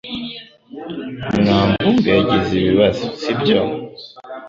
mwanvumbi yagize ibibazo, sibyo?